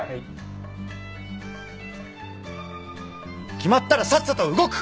決まったらさっさと動く！